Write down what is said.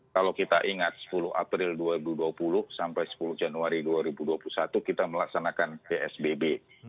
kalau kita ingat sepuluh april dua ribu dua puluh sampai sepuluh januari dua ribu dua puluh satu kita melaksanakan psbb